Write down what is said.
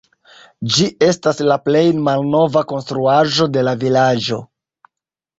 Ĝi estas la plej malnova konstruaĵo de la vilaĝo.